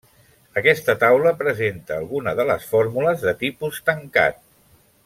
Aquesta taula presenta algunes de les fórmules de tipus tancat.